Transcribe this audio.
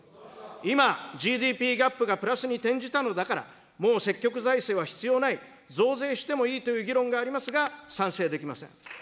今、ＧＤＰギャップがプラスに転じたのだから、もう積極財政は必要ない、増税してもいいという議論がありますが、賛成できません。